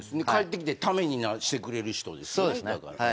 帰ってきてためにしてくれる人ですね。